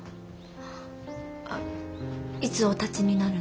あいつおたちになるの？